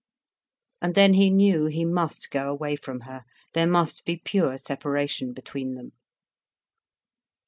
And then he knew, he must go away from her, there must be pure separation between them.